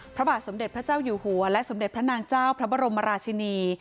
พระบาทสมเด็จพระเจ้าอยู่หัวและสมเด็จพระนางเจ้าพระบรมราชินี